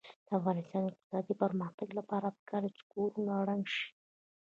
د افغانستان د اقتصادي پرمختګ لپاره پکار ده چې کورونه رنګ شي.